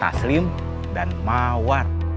taslim dan mawar